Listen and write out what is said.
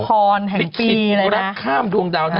พิษภัณฑ์ข้ามดวงดาวณเดชน์